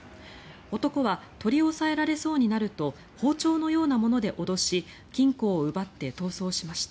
男は取り押さえられそうになると包丁のようなもので脅し金庫を奪って逃走しました。